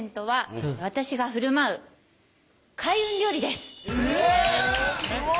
すごい。